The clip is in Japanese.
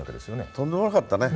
とんでもなかったね。